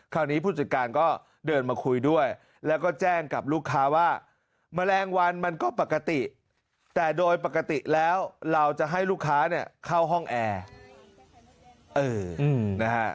ผู้จัดการก็เดินมาคุยด้วยแล้วก็แจ้งกับลูกค้าว่าแมลงวันมันก็ปกติแต่โดยปกติแล้วเราจะให้ลูกค้าเนี่ยเข้าห้องแอร์นะฮะ